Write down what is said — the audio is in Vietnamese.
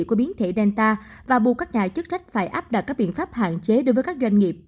của biến thể delta và buộc các nhà chức trách phải áp đặt các biện pháp hạn chế đối với các doanh nghiệp